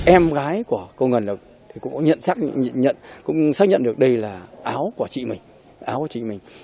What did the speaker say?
em gái của cô ngân cũng xác nhận được đây là áo của chị mình